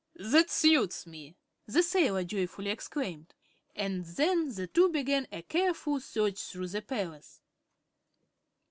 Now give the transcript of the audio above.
"That suits me," the sailor joyfully exclaimed, and then the two began a careful search through the palace.